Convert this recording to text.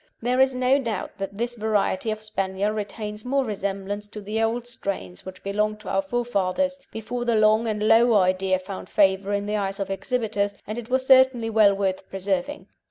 There is no doubt that this variety of Spaniel retains more resemblance to the old strains which belonged to our forefathers, before the long and low idea found favour in the eyes of exhibitors, and it was certainly well worth preserving.